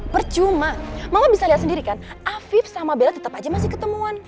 percuma mama bisa lihat sendiri kan afif sama bella tetap aja masih ketemuan